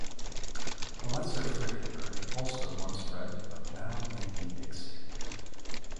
The lesser frigatebird also once bred but now may be extinct.